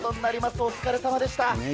お疲れさまでした。